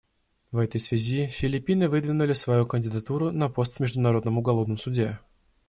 В этой связи Филиппины выдвинули свою кандидатуру на пост в Международном уголовном суде.